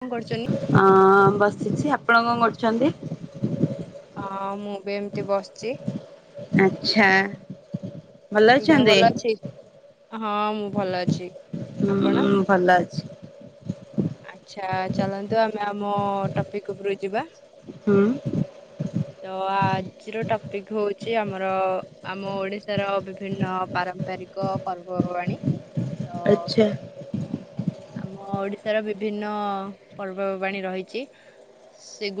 କଣ କରୁଛନ୍ତି? ଆଁ ଆଁ ବସିଛି ଆପଣ କଣ କରୁଛନ୍ତି? ହଁ ମୁଁ ବି ଏମିତି ବସିଛି। ଆଚ୍ଛା ଭଲ ଦେହ ଅଛନ୍ତି? ଭଲ ଅଛି ।ହଁ ମୁଁ ଭଲ ଅଛି ଆପଣ? ହୁଁ ଭଲ ଅଛି ଆଚ୍ଛା ଚାଲନ୍ତୁ ଆମେ ଆମ ଟପିକ ଉପରକୁ ଯିବା। ହୁଁ। ତ ଆଜିର ଟପିକ ହଉଛି ଆମର ଆମ ଓଡିଶାର ବିଭିନ୍ନ ପାରମ୍ପରିକ ପର୍ବପର୍ବାଣି। ଆଚ୍ଛା। ଆମ ଓଡିଶାର ବିଭିନ୍ନ ପର୍ବପର୍ବାଣି ରହିଛି।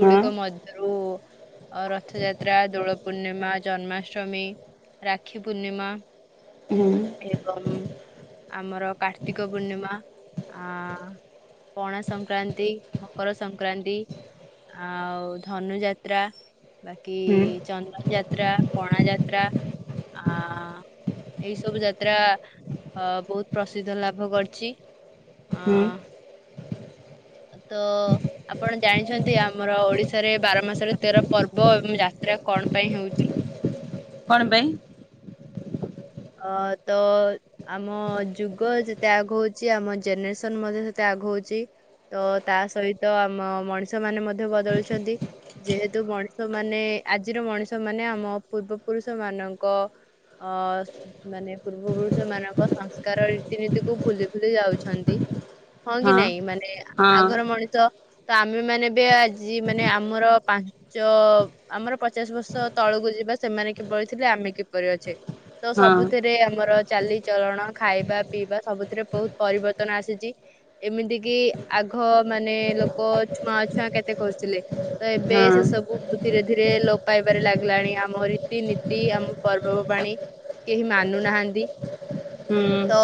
ହଁ ମଧ୍ୟ ଆଉ ରଥଯାତ୍ରା, ଦୋଳ ପୂର୍ଣ୍ଣିମା, ଜନ୍ମାଷ୍ଟମୀ, ରାକ୍ଷୀ ପୂର୍ଣ୍ଣିମା ହୁଁ ଏବଂ ଆମର କାର୍ତ୍ତିକ ପୂର୍ଣ୍ଣିମା ଆ ପଣା ସଂକ୍ରାନ୍ତି, ମକର ସଂକ୍ରାନ୍ତି, ଆଉ ଧନୁ ଯାତ୍ରା, ବାକି ହୁଁ ଚନ୍ଦନ ଯାତ୍ରା, ପଣା ଯାତ୍ରା, ଆ ଏଇ ସବୁ ଯାତ୍ରା ବହୁତ ପ୍ରସିଦ୍ଧ ଲାଭ କରିଛି। ଆ ହୁଁ ତ ଆପଣ ଜାଣିଛନ୍ତି ଆମର ଓଡିଶାରେ ବାର ମାସରେ ତେର ପର୍ବ ଏବଂ ଯାତ୍ରା କଣ ପାଇଁ ହଉଛି? କଣ ପାଇଁ? ଅ ତ ଆମ ଯୁଗ ଯେତେ ଆଗଉଛି ଆମ ଜେନେରେସନ ମଧ୍ୟ ସେତେ ଆଗଉଛି ତ ତା ସହିତ ଆମ ମଣିଷ ମାନେ ମଧ୍ୟ ବଦଳୁଛନ୍ତି ଯେହେତୁ ମଣିଷ ମାନେ ଆଜିର ମଣିଷ ମାନେ ଆମ ପୂର୍ବ ପୁରୁଷ ମାନଙ୍କ ଅ ମାନେ ପୂର୍ବ ପୁରୁଷ ମାନଙ୍କ ସଂସ୍କାର ରୀତିନୀତି କୁ ଭୁଲି ଭୁଲି ଯାଉଛନ୍ତି। ହଁ କି ନାଇଁ? ମାନେ ହଁ ଆଗର ମଣିଷ ତ ଆମେ ମାନେ ବି ଆଜି ମାନେ ଆମର ପାଞ୍ଚ ଆମର ପଚାଶ ବର୍ଷ ତଳକୁ ଯିବା ସେମାନେ କିଭଳି ଥିଲେ ଆମେ କିପରି ଅଛେ। ତ ହଁ ସବୁଥିରେ ଆମର ଚାଲିଚଳଣ ଖାଇବା ପିଇବା ସବୁଥିରେ ବହୁତ ପରିବର୍ତ୍ତନ ଆସିଛି ଏମିତି କିି ଆଗ ମାନେ ଲୋକ ଛୁଆଁଅଛୁଆଁ କେତେ କରୁଥିଲେ ତ ଏବେ ହଁ ସେସବୁ ଧୀରେ ଧୀରେ ଲୋପ ପାଇବାରେ ଲାଗିଲାଣି ଆମ ରୀତିନୀତି ଆମ ପର୍ବବାଣି କେହି ମାନୁନାହାନ୍ତି ହୁଁ ତ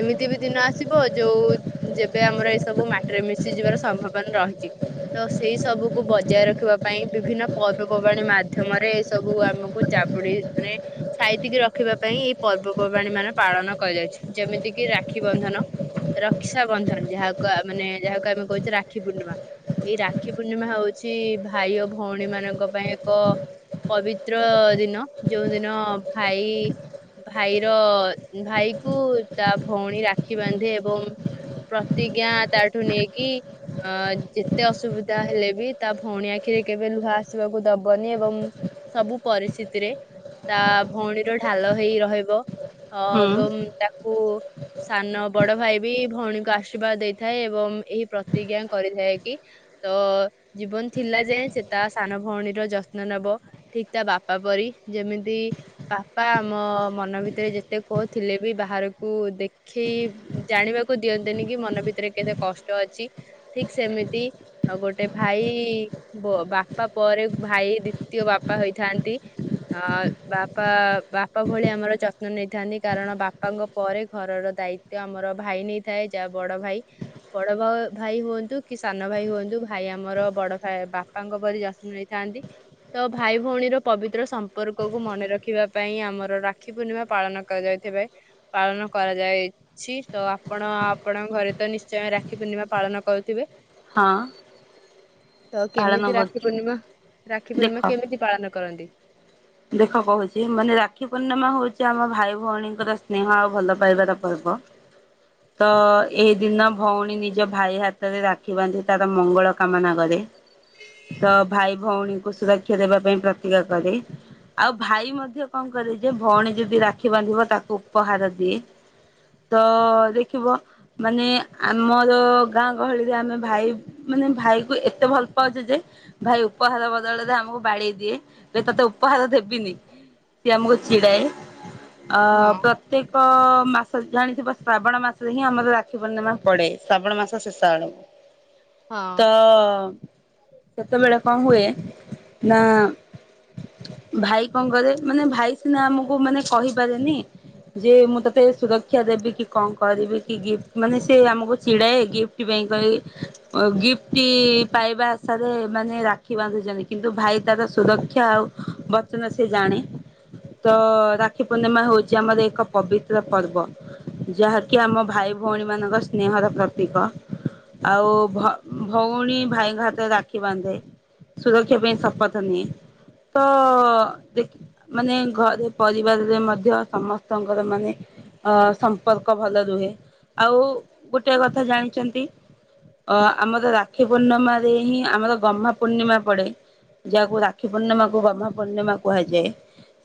ଏମିତି ବି ଦିନ ଆସିବ ଯୋଉ ଯେବେ ଆମର ଏ ସବୁ ମାଟିରେ ମିଶି ଯିବାର ସମ୍ଭାବନା ରହିଛି ତ ସେଇ ସବୁକୁୁ ବଜାୟ ରଖିବା ପାଇଁ ବିଭିନ୍ନ ପର୍ବପର୍ବାଣୀ ମାଧ୍ୟମରେ ଏ ସବୁ ଆମକୁ ଜାବୁଡି ମାନେ ସାଇ ଏତିକି ରଖିବା ପାଇଁ ଏଇ ପର୍ବପର୍ବାଣୀ ମାନେ ପାଳନ କରାଯାଉଛି ଯେମିତି କିି ରାକ୍ଷୀ ବନ୍ଧନ ରକ୍ଷାବନ୍ଧନ ଯାହାକୁ ମାନେ ଯାହାକୁ ଆମେ କହୁଛେ ରାକ୍ଷୀ ପୂର୍ଣ୍ଣିମା ଏଇ ରାକ୍ଷୀ ପୂର୍ଣ୍ଣିମା ହଉଛି ଭାଇ ଓ ଭଉଣୀ ମାନଙ୍କ ପାଇଁ ଏକ ପବିତ୍ର ଦିନ ଯୋଉ ଦିନ ଭାଇ ଭାଇର ଭାଇ କୁ ତା ଭଉଣୀ ରାକ୍ଷୀ ବାନ୍ଧେ ଏବଂ ପ୍ରତିଜ୍ଞା ତାଠୁ ନେଇକି ଅ ଯେତେ ଅସୁବିଧା ହେଲେ ବି ତା ଭଉଣୀ ଆଖିରେ କେବେ ଲୁହ ଆସିବାକୁ ଦବନି ଏବଂ ସବୁ ପରିସ୍ଥିତିରେ ତା ଭଉଣୀର ଢାଲ ହେଇ ରହିବ ଅ ହୁଁ ଏବଂ ତାକୁ ସାନ ବଡ ଭାଇ ବି ଭଉଣୀଙ୍କୁ ଆଶୀର୍ବାଦ ଦେଇଥାଏ ଏବଂ ଏହି ପ୍ରତିଜ୍ଞା କରିଥାଏ କି ତ ଜୀବନ ଥିଲା ଯେ ସେ ତା ସାନ ଭଉଣୀର ଯତ୍ନ ନେବ ଠିକ ତା ବାପା ପରି ଯେମିତି ବାପା ଆମ ମନ ଭିତରେ ଯେତେ କୋହଥିଲେ ବି ବାହାରକୁ ଦେଖେଇ ଜାଣିବାକୁ ଦିଅନ୍ତନି କି ମନ ଭିତରେ କେତେ କଷ୍ଟ ଅଛି ଠିକ୍ ସେମିତି ଗୋଟେ ଭାଇ ବାପା ପରେ ଭାଇ ଦ୍ଵିତୀୟ ବାପା ହେଇଥାନ୍ତି ଅ ବା ବାପା ବାପା ଭଳି ଆମର ଯତ୍ନ ନେଇଥାନ୍ତି କାରଣ ବାପାଙ୍କ ପରେ ଘରର ଦାୟିତ୍ୱ ଆମର ଭାଇ ନେଇଥାଏ ଯାହା ବଡ ଭାଇ ବଡ ଭାଇ ହୁଅନ୍ତୁ କି ସାନ ଭାଇ ହୁଅନ୍ତୁ ଭାଇ ଆମର ବଡାଇ ବାପାଙ୍କ ପରି ଯତ୍ନ ନେଇଥାନ୍ତି ତ ଭାଇ ଭଉଣୀର ପବିତ୍ର ସମ୍ପର୍କକୁ ମନେ ରଖି ରଖିବା ପାଇଁ ଆମର ରାକ୍ଷୀ ପୂର୍ଣ୍ଣିମା ପାଳନ କରାଯାଇଥିବେ ପାଳନ କରାଯାଇଛି ତ ଆପଣ ଆପଣଙ୍କ ଘରେ ତ ନିଶ୍ଚୟ ରାକ୍ଷୀ ପୂର୍ଣ୍ଣିମା ପାଳନ କରୁଥିବେ। ହଁ ତ ପାଳନ କେମିତି ରାକ୍ଷୀ କରୁଛୁ ପୂର୍ଣ୍ଣିମା ରାକ୍ଷୀ ଦେଖ ପୂର୍ଣ୍ଣିମା କେମିତି ପାଳନ କରନ୍ତି? ଦେଖ କହୁଛି ମାନେ ରାକ୍ଷୀ ପୂର୍ଣ୍ଣିମା ହଉଛି ଆମ ଭାଇ ଭଉଣୀଙ୍କର ସ୍ନେହ ଆଉ ଭଲ ପାଇବାର ପର୍ବ ତ ଏଇ ଦିନ ଭଉଣୀ ନିଜ ଭାଇ ହାତରେ ରାକ୍ଷୀ ବାଧେ ତାର ମଙ୍ଗଳ କାମନା କରେ। ତ ଭାଇ ଭଉଣୀ ମୁଁ ସୁରକ୍ଷା ଦେବା ପାଇଁ ପ୍ରତିକା କରେ ଆଉ ଭାଇ ମଧ୍ୟ କଣ କରେ ଯେ ଭଉଣୀ ଯଦି ରାକ୍ଷୀ ବାନ୍ଧିବ ତାକୁ ଉପହାର ଦିଏ ତ ଦେଖିବ ମାନେ ଆମର ଗାଁ ଗହଳିରେ ଆମେ ଭାଇ ମାନେ ଭାଇ କ ଏତେ ଭଲ ପାଉଛେ ଯେ ଭାଇ ଉପହାର ବଦଳରେ ଆମକୁ ବାଡ଼େଇ ଦିଏ ତତେ ପାହ ଦେବ ଯିବି ଣୀ ଆମକୁ ଛିଡାଏ ଅ ହଁ ପ୍ରତ୍ୟେକ ମାସ ଜାଣିଥଥିବା ଶ୍ରାବଣ ମାସରେ ହିଁ ଆମର ରାକ୍ଷୀ ପୂର୍ଣ୍ଣିମା ପଡେ ଶ୍ରାବଣ ମାସ ଶେଷ ଆଡ଼କୁ ହଁ ତ ସେତେବେଳେ କଣ ହୁଏ ନା ଭାଇ କଣ କରେ ମାନେ ଭାଇ ସିନା ଆମକୁ ମାନେ କହିପାରେନି ଯେ ମୁଁ ତତେ ସୁରାକ୍ଷା ଶିକ୍ଷା ଦେବି କି କଣ କରିବି କି ଗିଫ୍ଟ ମାନେ ସେ ଆମକୁ ଛିଡ଼ାଏ ଗିଫ୍ଟ ପାଇଁ କହେଁ ଗିଫ୍ଟ ପାଇବା ଆଶାରେ ମାନେ ରାକ୍ଷୀ ବାନ୍ଧୁଛନ୍ତି କିନ୍ତୁ ଭାଇ ତାର ସୁରକ୍ଷା ଆଉ ବର୍ଚନ ସେ ଜାଣେ ତ ରାକ୍ଷୀ ପୂର୍ଣ୍ଣିମା ହେଉଛି ଆମର ଏକ ପବିତ୍ର ପର୍ବ ଯାହାକି ଆମ ଭାଇ ଭଉଣୀ ମାନଙ୍କ ସ୍ନେହର ପ୍ରତୀକ ଆଉ ଭଉଣୀ ଭାଇଙ୍କ ହାତରେ ଡାକ କୀ ବାନ୍ଧେ ସୁରକ୍ଷା ପାଇଁ ଶପଥ ନିଏ ତ- ଅ -ଦେଖ ମାନେ ଘରେ ପରିବାରରେ ମଧ୍ୟ ସମସ୍ତଙ୍କର ମାନେ ଅ ସମ୍ପର୍କ ଭଲ ରୁହେ ଆଉ ଗୋଟେ କଥା ଜାଣିଛନ୍ତି ଅ-ଆମର ରାକ୍ଷୀ ପୂର୍ଣ୍ଣିମାାରେ ହିଁ ଆମର ଗହ୍ମା ପୂର୍ଣ୍ଣିମା ପଡେ ଯାହାକୁ ରାକ୍ଷୀ ପୂର୍ଣ୍ଣିମା ଗହ୍ମା ପୂର୍ଣ୍ଣିମା କୁହାଯାଏ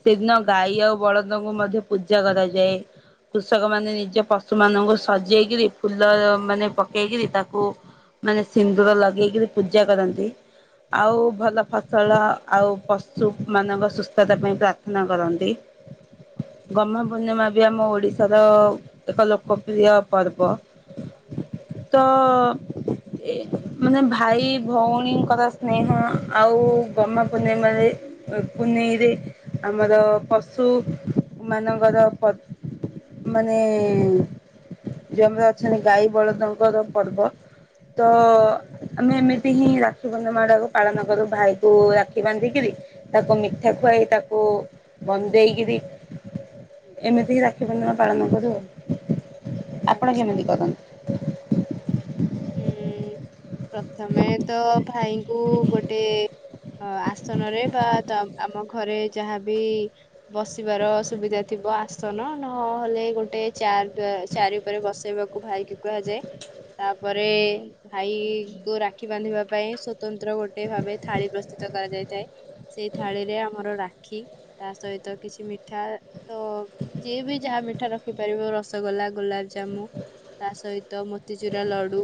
ସେଦିନ ଗାଈ ଆଉ ବଳଦଙ୍କୁ ମଧ୍ୟ ପୂଜା କରାଯାଏ। କୃଷକ ମାନେ ନିଜ ପଶୁ ମାନଙ୍କୁ ସଜେଇକରି ଫୁଲ ମାନେ ପକେଇକରି ତାକୁ ମାନେ ସିନ୍ଦୁର ଲଗେଇକରି ପୂଜା କରନ୍ତି ଆଉ ଭଲ ଫସଲ ଆଉ ପସ ସୁ ମାନଙ୍କ ସୁସ୍ଥତା ପାଇଁ ପ୍ରାର୍ଥନା କରନ୍ତି ।ଗହ୍ ପୂର୍ଣ୍ଣିମା ବି ଆମ ଓଡିଶାର ଏକ ଲୋକପ୍ରିୟ ପର୍ବ ତ ମାନେ ଭାଇ ଭଉଣୀଙ୍କର ସ୍ନେହ ଆଉ ଗହ୍ ପନିମାନୋରେ କୁନେଇରେ ଆମର ପଶୁ ମାନଙ୍କର ମାନେ ଯଉ ଆମର ଅଛନ୍ତି ଗାଈ ବଳଦଙ୍କର ପର୍ବ ।ତ ଆମେ ଏମିତି ହିଁ ରାକ୍ଷୀ ପୂର୍ଣ୍ଣିମା ଟାକୁ ପାଳନ କରୁ ଭାଇକୁ ରାକ୍ଷୀ ବାନ୍ଧିକିରି ତାକୁ ମିଠା ଖୁଆଇ ତାକୁ ବନ୍ଦେଇକରି ଏମିତି ହି ରାକ୍ଷୀ ପୂର୍ଣ୍ଣିମା ପାଳନ କରୁ ଆଉ। ଆପଣ ଆଚ୍ଛା କେମିତି କରନ୍ତି। ହୁଁ ପ୍ରଥମେ ତ ଭାଇଙ୍କୁ ଗୋଟେ ଆସନରେ ବା ତା ଆମ ଘରେ ଯାହାବି ବସିବାର ସୁବିଧା ଥିବ ଆସନ ନହେଲେ ଗୋଟେ ଚାୟାରି ଚେୟାର ଉପରେ ବସେଇବାକୁ ଭାଇ କୁ କୁହାଯାଏ ତା ତାପରେ ଭାଇ କୁ ରାକ୍ଷୀ ବାନ୍ଧିବା ପାଇଁ ସ୍ଵତନ୍ତ୍ର ଗୋଟେ ଭାବେ ଥାଳି ପ୍ରସ୍ତୁତ କରାଯାଇଥାଏ। ସେଇ ଥାଳିରେ ଆମର ରାକ୍ଷୀ ତା ସହିତ କିଛି ମିଠା ତ ଯିଏ ବି ଯାହା ମିଠା ରଖିପାରିବ ରସଗୋଲା ଗୋଲାପଜାମୁ ତା ସହିତ ମୋତିଚୁରା ଲ ଡୁ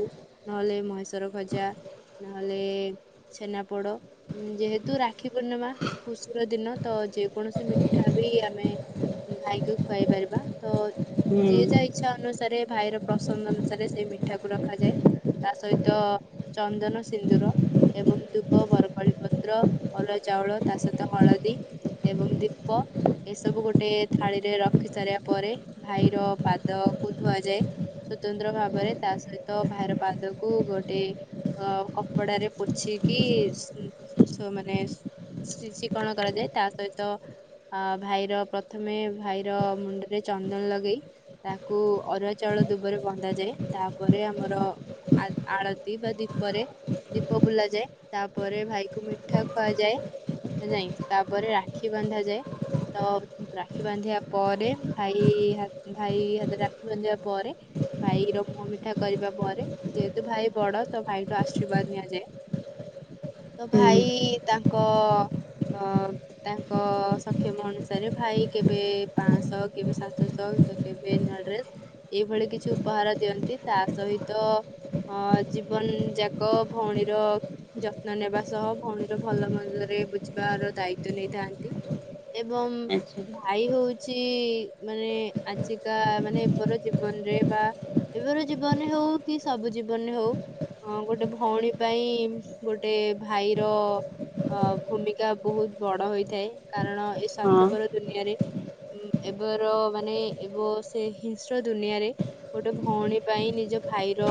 ନହେଲେ ମହେଷର ଗଜା ନହେଲେ ଛେନାପୋଡ ଯେହେତୁ ରାକ୍ଷୀ ପୂର୍ଣ୍ଣିମା ଖୁସିର ଦିନ ତ ଯେ କୌଣସି ମିଠା ବି ଆମେ ଭାଇକୁ ଖୁଆଇ ପାରିବା ତ ହୁଁ ଯେ ଯା ଇଚ୍ଛା ଅନୁ ରେ ଭାଇର ପ୍ରସନ୍ଦ ଅନୁସାରେ ସେଇ ମିଠା କୁ ର ରଖାଯାଏ ତା ସହିତ ଚନ୍ଦନ ସିନ୍ଦୁର ଏବଂ ଦୁବ ବରକଳି ପତ୍ର ଅରୁଆ ଚାଉଳ ତା ସହିତ ହଳଦୀ ଏବଂ ଦୀପ ଏସବୁ ଗୋଟେ ଥାଳିରେ ରଖି ସାରିବା ପରେ ଭାଇର ପାଦକୁ ଧୁଆଯାଏ ସ୍ବତନ୍ତ୍ର ଭାବରେ ତା ସହି ତ ଭାଇର ପାଦକୁ ଗୋଟେ ଅ କପଡାରେ ପୋଛିକି ମାନେ ଶିଶି କଣ କରାଯାଏ ତା ସହିତ ଆ ଭାଇର ପ୍ରଥମେ ଭାଇର ମୁଣ୍ଡରେ ଚନ୍ଦନ ଲଗେଇ ତାକୁ ଅରୁଆ ଚାଉଳ ଦୁବରେ ବନ୍ଧାଯାଏ ତା ପରେ ଆମର ଆଳତି ବା ଦୀପରେ ଦୀପ ବୁଲା ଯାଏ ତାପରେ ଭାଇକୁ ମିଠା ଖୁଆଯାଏ ନାଇ ତାପରେ ରାକ୍ଷୀ ବାନ୍ଧାାଯାଏ ତ ରାକ୍ଷୀ ବାନ୍ଧିବା ପରେ ଭାଇ ଭାଇ ହାତ ରାକ୍ଷୀ ବାନ୍ଧିବା ପରେ ଭାଇର ମୁହଁ ମି ଏହା କରିବା ପରେ ଯେହେତୁ ଭାଇ ବଡ ତ ଭାଇଠୁ ଆଶୀର୍ବାଦ ନିଆଯାଏ। ତ ହୁଁ ଭାଇ ତାଙ୍କ ତାଙ୍କ ସକ୍ଷମ ଅନୁସାରେ ଭାଇ କେବେ ପାଞ୍ଚଶହ କେବେ ସାତଶହ ତ କେବେ ନୂଆ ଡ୍ରେସ ଏଇଭଳି କିଛି ଉପହାର ଦିଅନ୍ତି। ତା ସହିତ ଜୀବନ ଯାକ ଭଉଣୀର ଯତ୍ନ ନେବା ସହ ଭଉଣୀର ଭଲ ମନ୍ଦରେ ବୁଝିବାର ଦାୟିତ୍ୱ ନେଇଥାନ୍ତି ଏବଂ ଆଚ୍ଛା ଭାଇ ହୋଉଚି ମାନେ ଆଜିକା ମାନେ ଏବେର ଜୀବନରେ ବା ଏବେର ଜୀବନରେ ହୋଉ କି ସବୁ ଜୀବନରେ ହୋଉ ଗୋଟେ ଭଉଣୀ ପାଇଁ ଗୋଟେ ଭାଇର ଭୂମିକା ବୋହୁତ ବଡ ହୋଇଥାଏ କାରଣ ଏ ହଁ। ସ୍ୱାସ୍ଥ୍ୟପର ଦୁନିଆରେ ଏବେର ମାନେ ଏବ ସେ ହିଂସ୍ର ଦୁନିଆରେ ଗୋଟେ ଭେଉଣୀ ପାଇଁ ନିଜ ଭାଇର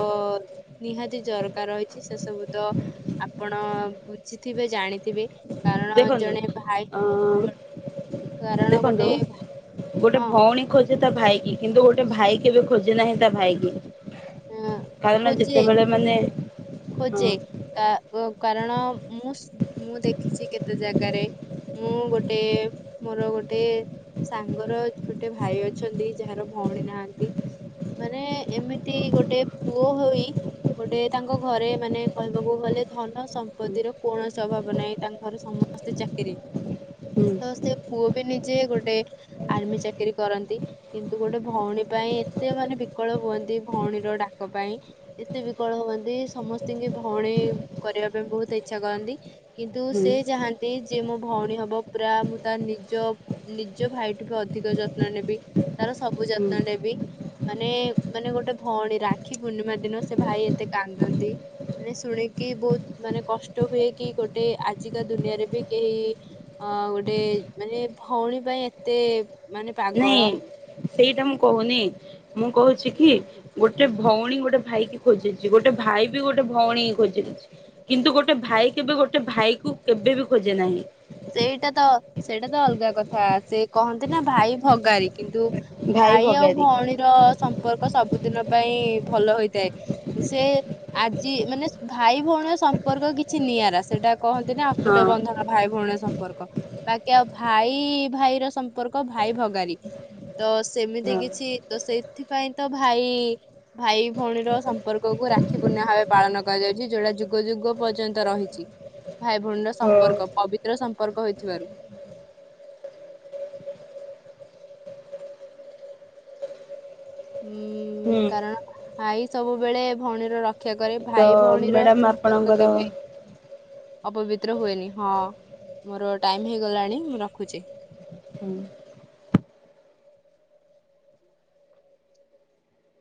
ନିହାତି ଦରକାର ରହିଚି ସେ ସବୁ ତ ଆପଣ ବୁଝିଥିବେ ଜାଣିଥିବେ। କାରଣ ଦେଖନ୍ତୁ ଜଣେ ଭାଇ ଅ କାରଣ ଗୋଟେ ଦେଖନ୍ତୁ ଗୋଟେ ହଁ ଭଉଣୀ ଖୋଜେ ତା ଭାଇ କି କିନ୍ତୁ ଗୋ ଗୋଟ ଭାଇ କେବେ ଖୋଜେ ନାହିଁ ତା ଭାଇକି। ଅଁ କାରଣ ଖୋଜେ ଯେତବେଳେ ମାନେ ହଁ ଖୋଜେ କା ଅ କାରଣ ମୁଁସ ମୁଁ ଦେଖିଛି କେତେ ଜାଗାରେ ମୁଁ ଗୋଟେ ମୋର ଗୋଟେ ସାଙ୍ଗର ଗୋଟେ ଭାଇ ଅଛନ୍ତି ଯାହାର ଭଉଣୀ ନାହାନ୍ତି ମାନେ ଏମି ତି ଗୋଟେ ପୁଅ ହୋଇ ଗୋଟେ ତାଙ୍କ ଘରେ ମାନେ କହିବାକୁ ଗଲେ ଧନ ସମ୍ପତ୍ତିର ହୁଁ କୌଣସି ଅଭାବ ନାହିଁ ତାଙ୍କ ଘରେ ସମସ୍ତେ ଚାକିରି ତ ସେ ପୁଅ ବି ନିଜେ ଗୋଟେ ଆର୍ମି ଚାକିରି କରନ୍ତି କିନ୍ତୁ ଗୋଟେ ଭଉଣୀ ପାଇଁ ଏତେ ମାନେ ବିକଳ ହୁଅନ୍ତି। ଭଉଣୀର ଡାକ ପାଇଁ ଏତେ ବିକଳ ହୁଅନ୍ତି ସମସ୍ତଙ୍କୁ ଭଉଣୀ କରିବା ପାଇଁ ବହୁତ ଇଚ୍ଛା କରନ୍ତି କିନ୍ତୁ ହୁଁ ସେ ଚାହାନ୍ତି ଯେ ମୋ ଭଉଣୀ ହବ ପୁରା ମୁଁ ତାର ନିଜ ନିଜ ଭାଇ ଠୁ ବି ଅଧିକ ଯତ୍ନ ନେବି ତାର ସବୁ ହୁଁ ଯତ୍ନ ନେବି ମାନେ ମାନେ ଗୋଟେ ଭଉଣୀ ରାକ୍ଷୀ ପୂର୍ଣ୍ଣିମା ଦିନ ସେ ଭାଇ ଏତେ କାନ୍ଦନ୍ତି ମାନେ ଶୁଣିକି ବହୁତ ମାନେ କଷ୍ଟ ହୁଏ କି ଗୋଟେ ଆଜିକା ଦୁନିଆରେ ବି କେହି ଅ ଗୋଟେ ମାନେ ଭଉଣୀ ପାଇଁ ଏତେ ମାନେ ନାଇଁ ପାଗଳ ସେଇଟା ମୁଁ କୋହୁନି ମୁଁ କୋହୁଚି କି ଗୋଟେ ଭଉଣୀ ଗୋଟେ ଭାଇ କି ଖୋଜୁଚି ଗୋଟେ ଭାଇ ବି ଗୋଟେ ଭଉଣୀ ଖୋଜିବ କିନ୍ତୁ ଗୋଟେ ଭାଇ କେବେ ଗୋଟେ ଭାଇକୁ କେବେବି ଖୋଜେ ନାହିଁ। ସେଇଟା ତ ସେଇଟା ତ ଅଲଗା କଥା ସେ କହନ୍ତି ନା ଭାଇ ଭଗାରୀ କିନ୍ତୁ ଭାଇ ଆଉ ଭଉଣୀର ସମ୍ପର୍କ ସବୁ ସବୁ ଦିନ ପାଇଁ ଭଲ ହୋଇଥାଏ ସେ ଆଜି ମାନେ ଭାଇ ଭଉଣୀର ସମ୍ପର୍କ କିଛି ନିଆରା ସେଟା କହନ୍ତିନା ହଁ ଅତୁଟ ବନ୍ଧନ ଭାଇ ଭଉଣୀଙ୍କ ସମ୍ପର୍କ ବାକି ଆଉ ଭାଇ ଭାଇର ସମ୍ପର୍କ ଭାଇ ଭଗାରୀ ତ ସେମିତି ହଁ କିଛି ତ ସେଇଥିପାଇଁ ତ ଭାଇ ଭାଇ ଭଉଣୀର ସମ୍ପର୍କକୁ ରାକ୍ଷୀ ପୂର୍ଣ୍ଣ ଭାବେ ପାଳନ କରାଯାଉଛି ଯୋଉଟା ଯୁଗ ଯୁଗ ପର୍ଯ୍ୟନ୍ତ ରହିଛି ଭାଇ ଭଉଣୀର ହଁ ସମ୍ପର୍କ ପବିତ୍ର ସମ୍ପର୍କ ହୋଇଥିବାରୁ। ହୁଁ କାରଣ ଭାଇ ସବୁବେଳେ ଭଉଣୀର ର କ୍ଷା କରେ ତ ଭାଇ ଭଉଣୀର ମ୍ୟାଡ଼ାମ ସମ୍ପର୍କ ଆପଣଙ୍କର କେବେ ଅପବିତ୍ର ହୁଏନି ହଁ ମୋର ଟାଇମ ହେଇଗଲାଣି ମୁଁ ରଖୁଚି। ହୁଁ